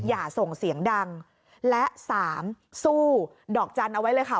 อย่าส่งเสียงดังและสามสู้ดอกจันทร์เอาไว้เลยค่ะ